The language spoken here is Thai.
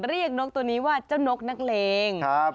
นกตัวนี้ว่าเจ้านกนักเลง